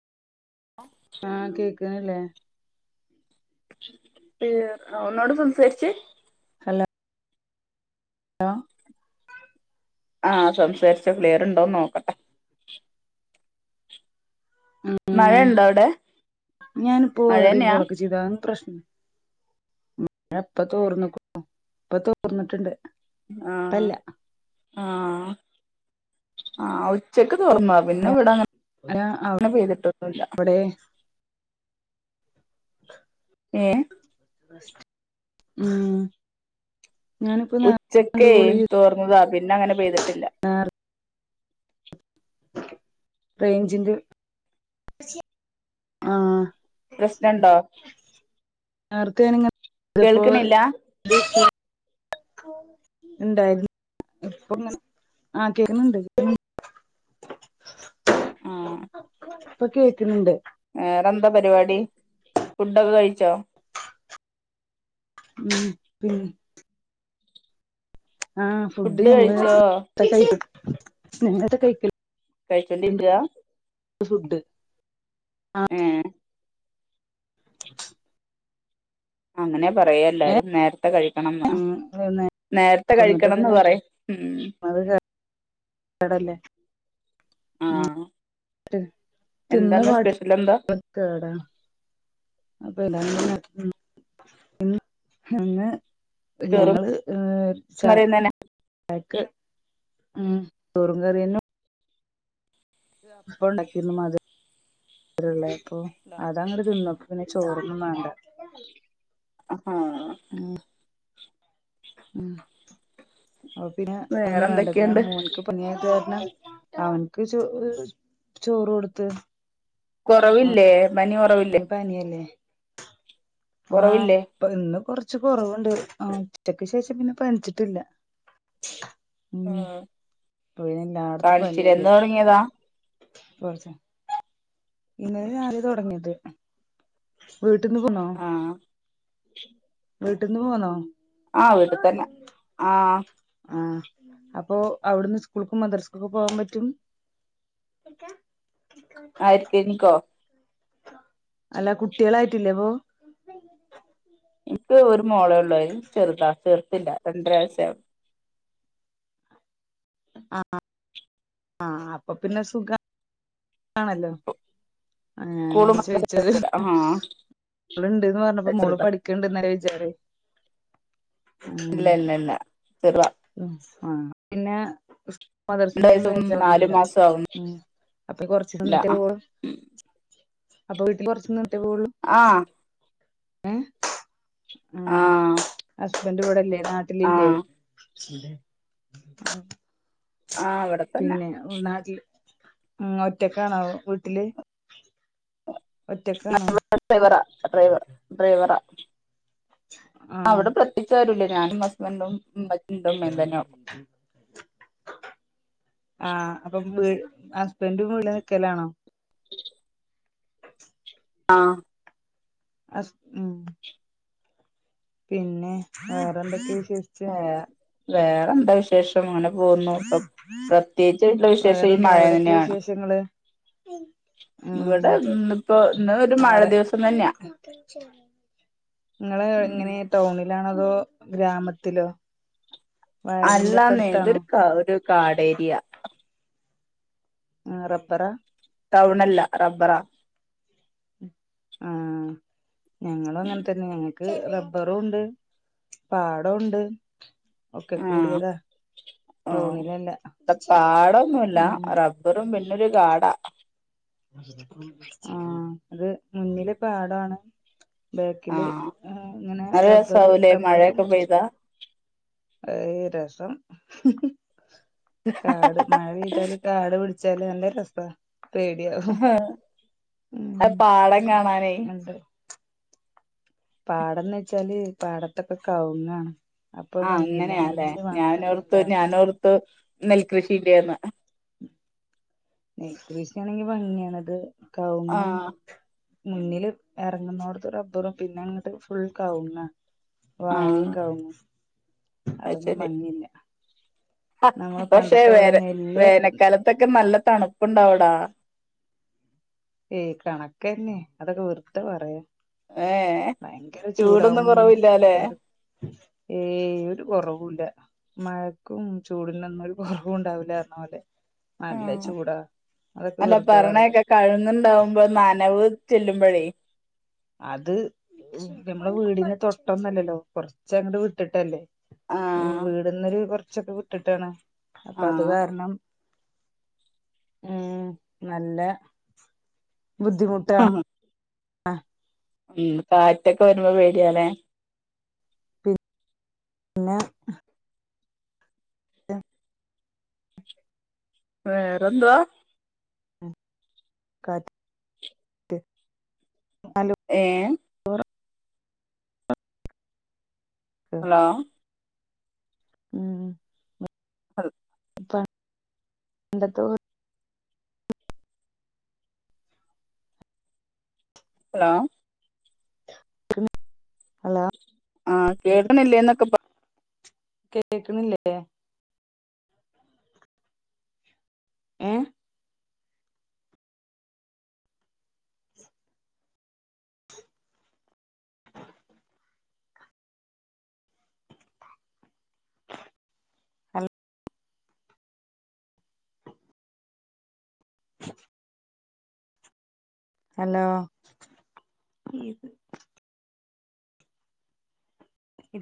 ആഹ് കേക്കണില്ലേ? ഒളോട് സംസാരിച്ചേ? ഹല്ല. ആ. ആഹ് സംസാരിച്ച ക്ലിയർണ്ടോന്ന് നോക്കട്ടെ. ഉം മഴയുണ്ടോ അവിടെ ഞാനിപ്പോ വേറെ മഴന്നെയാ കോളൊക്കെ ചെയ്താ പ്രശ് മ ഇപ്പ തോർന്ന്ക്കുന്നു ഇപ്പോ തോർന്നിട്ടുണ്ട്. ആഹ് ഇപ്പല്ല ആഹ് ആഹ് ഒ ചെക്ക് തോറന്ന പിന്നെ അല്ല ഇവിടങ്ങനെ പെയ്തിട്ടൊന്നില്ല [inaudible] അവിടെ ഏഹ് ഉം ഞാനിപ്പോ നേ രണ്ട് ഉച്ചക്കേ കോള് ചെയ്തു തോർന്നതാ പിന്നെ അങ്ങനെ പെയ്തിട്ടില്ല. റേഞ്ചിന്റെ ആഹ് പ്രശ്നം ഉണ്ടോ? നേർത്തയാനങ്ങ ച്ചപ്പോ [unintelligible] ഉണ്ടായിരുന്നു ഇപ്പൊ ഇങ്ങനെ ആഹ് കേക്കുന്നുണ്ട് [unintelligible] ആഹ് ഇപ്പൊ കേക്കണുണ്ട് പരിപാടി ഫുഡൊക്കെ കഴിച്ചോ ഉം പി ആഹ ഫുഡ് ഞങ്ങള് [unintelligible] നേ നേരത്തെ കഴിക്ക. കഴിച്ചോണ്ടിരിക്യാ ഫുഡ് ഏഹ് അങ്ങനെ പറയാ എല്ലാരും നേരത്തെ കഴിക്കണന്ന് നേരത്തെ എന്നിട്ട് കഴിക്കണന്ന് പിന്നെ പറയും കടല്ലേ ആഹ് തിന്ന എന്താന്ന് പാട്ടിന് സ്പെഷ്യൽ എന്താ അന്ന് [unintelligible] ചോറും ഞങ്ങള് ന്നറിയുന്നന്നെ അക്ക് [unintelligible] ചോറും കറിയന്നും അപ്പോ ഉണ്ടാക്കിരുന്നു മതി അള്ള ഇപ്പൊ ഹലോ അത അങ്ങടെ തിന്നപ്പോ പിന്നെ ചോറൊന്നും വേണ്ട. ഹ ആഹ് ഉ പിന്നെ വേറെ അതൊന്നും വേണ്ട പിന്നെ എന്തൊക്കെയുണ്ട് മോന്ക് പനിയായത് കാരണം. [unintelligible] അവനക്ക് ചോറ് ചോറ് കൊടുത്ത്. കുറവില്ലേ പനി കുറവില്ലേ? ആഹ ഇപ്പൊ ഇന്ന് കൊർ കൊറച്ച് കൊറവുണ്ട് ആ ഉച്ചക്ക് ശേഷം പിന്നെ പനിച്ചിട്ടില്ല. ആ ഉം ഇപ്പൊ പിന്നെ എല്ലാടത്തും കാണിച്ചില്ലേ? പനിയല്ലേ എന്ന് തുടങ്ങിയതാ? [inaudible] ഇന്നലെ രാവിലെ തുടങ്ങിയത്. ആഹ വീട്ടിന്ന് പോന്നോ? ആഹ് വീട്ട്തന്നെ ആഹ ആഹ അപ്പൊ അവിട്ന്ന് സ്കൂൾക്കും മദ്രസ്ക്കും പോകാൻ പറ്റും. ആയിരിക്ക്എനിക്കോ? അല്ല കുട്ടികളായിട്ടില്ലേപ്പൊ? ഇപ്പ ഒരു മോളോള്ളൂ അഹ് ചെറുതാ ചെർത്തില്ല രണ്ടര വയസ്സായി. ആ ആഹ ആ അപ്പൊ പിന്നെ സുഖം ആണല്ലോ? ആ ഞാന് സ്കൂളും മദ്രസയും ചോയിച്ച് ഒന്നുമില്ല ആഹ് മോളിണ്ട്ന്ന് അത് പറഞ്ഞപ്പ മോള് ചെറുതാ പഠിക്കണ്ട്ന്ന് വിചാര് ഇല്ല ഇല്ല ഇല്ല തീർവാ ഉംആ പിന്നെ സ് രണ്ട് മദർസിന്റെയും വയസ്സും നാലു വേജൊന്നുമല്ല മാസവും ആവുന്നു ഉം അപ്പൊ കൊറച്ച് ഇല്ല നിന്നിട്ട് പോവോള്ളൂ. അപ്പൊ വീട്ടിൽ കൊറച്ചന്ന്ട്ടേ പോവുള്ളൂ ആഹ് ഉം ഉം ആഹ് ഹസ്ബന്റ് ഇവിടെല്ലേ നാട്ടിലില്ലേ? ആഹ് ആഹ് ഇവിടെ തന്നെ പിന്നെപിന്നെ നാട്ടില് ഉംഒറ്റക്കാണാവോ വീട്ടില് ഒറ്റക്കാണോ ഡ്രൈവ ഡ്രൈവർ ഡ്രൈവറ ആഹ് അവിടെ പ്രത്യകിച്ചാരുല്ല ഞാനും ഹസ്ബന്റും ന്റമ്മ ന്റുമ്മയുംതന്നെയുള്ളൂ. ആഹ അപ്പൊ, ഹസ്ബൻന്റും ഇവിടെക്കലാണോ? ആഹ അസ് ഉം പിന്നെ, വേറെന്തക്കെ വിശേഷിച്ച് ഏഹ് വേറെന്താ വിശേഷം അങ്ങനെ പോന്നു അപ്പൊ പ്രത്യേകിച്ച്ള്ള വിശേഷം ഈ വേറെന്താ മഴ അവിടൊക്കെ തന്നെയാണ്. വിശേഷങ്ങള് ഉം ഇവിടെ ഇന്നിപ്പോ ഇന്ന് ഒരു മഴ അവിടെ, ദിവസം തന്നെയാ നിങ്ങളെ ഉം എങ്ങനെ ടൗണിലാണതോ ഗ്രാമത്തിലോ വയലിന്റെ ഒക്കെ അല്ലാന്നേ അടുത്താണോ ഇതൊരു ഒരു കാടേരിയ, ആറപ്പറ ടൗണല്ല റബ്ബറാ ആ ഞങ്ങളും അങ്ങനെ തന്നെയാണ്. ക്ക് റബ്ബറുംണ്ട് പാടോ ഉംണ്ട്. ഒക്കെ ആഹ് കൂടിയതാ ആഹ് ടൗണിലെല്ല ഇവടെ ഉം, ന്നൊരു കാട ആഹ അത് മുന്നിലെ പാടാണ്. ബേക്കില് ആഹ് ങേ ഇങ്ങനെ നല്ല റബ്ബറ് രസാവൂലേ റബ്ബറൊക്കെ മഴയൊക്കെ മുറച്ചു. പെയ്താ ഏയ് രസം. കാട് മഴ പെയ്താല് കാട് വെള ല്ല രസ പേ ഹ ആ പാടം കാണാനേ ഉണ്ട് പാടംന്ന് വെച്ചാല് പാടത്തൊക്കെ കവ്ങ്ങാണ്. ആ അങ്ങനെയല്ലെ ഞാനോർത്ത് ഭംഗിണ്ടാവാൻ ഞാനോർത്ത് നെൽകൃഷിയില്ലേന്ന് നെല് കൃഷിയാണെങ്കി ഭംഗിയണത് കവുങ്ങും ആഹ് മുന്നില് ഇറങ്ങുന്നോടത്ത് റബ്ബറും പിന്നെ അങ്ങട്ട് ഫുൾ കവുങ്ങ ആഹ് വാഴയും കവുങ്ങും അത് അതൊന്നും ശരി മങ്ങില്ല പക്ഷെ വേറെ നെല്ല് വേനൽക്കാലത്തൊക്കെ നല്ല തണു പ്പണ്ടാവടാ ഏയ് കണക്കന്നെ അതൊക്കെ വെറുതെ പറയാ. ഏഹ ഭയങ്കര ചൂടാവും ഉം അവർ ഏ ഒരു കുറവൂല്ല മഴക്കും ചൂടിനും ഒന്നും ഒരു കുറവും ഉണ്ടാവൂല്ലന്ന് പറഞ്ഞപോലെ ആ അതൊക്കെ അല്ല വെറുതെ പറയാ പറണയൊക്കെ കഴുങ്ങുണ്ടാവുമ്പോ നന അ ചെല്ലുമ്പഴേ അത് നമ്മടെ വീടിന് തൊട്ടൊന്നല്ലല്ലോ കൊറച്ച അങ്ങട്ട് വിട്ടിട്ടല്ലേ ആഹ് വീടന്നൊരു കൊറച്ചൊക്കെ വിട്ടിട്ടാണ് അപ്പൊ അത് ആഹ് കാരണം ഉം നല്ല ബുദ്ധിമുട്ടാണ് ആഹ് ഉം കാറ്റൊക്കെ വരുമ്പോ പേടിയാലേ അല്ല ആ വേറെന്തുവാ ക ത്തി ഏഹ് ഹലോ ഉം അർ പ ണ്ടത്തെ ഹലോ പി ആഹ കേൾക്ക്ണില്ലേ എന്നൊക്കെ കേക്കണില്ലേ ഏ [unintelligible] ഹലോ ഹലോ